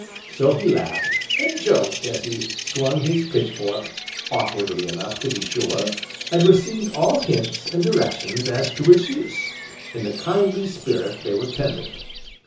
So he laughed, and joked as he swung his pitch fork, (awkwardly enough, to be sure), and received all hints, and directions as to its use, in the kindly spirit they were tendered.